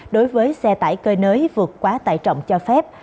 đối với xe tải cơi nới vượt quá tải trọng cho phép